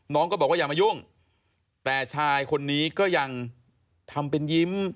ก็บอกว่าอย่ามายุ่งแต่ชายคนนี้ก็ยังทำเป็นยิ้ม